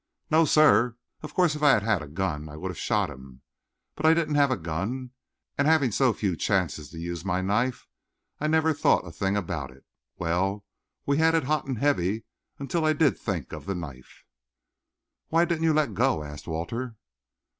"No, sir. Of course if I had had a gun, I would have shot him. But I didn't have a gun, and having so few chances to use my knife, I never thought a thing about it. Well, we had it hot and heavy until I did think of the knife." "Why didn't you let go?" asked Walter.